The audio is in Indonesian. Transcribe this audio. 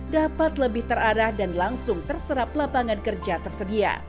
dapat lebih terarah dan langsung terserap lapangan kerja tersedia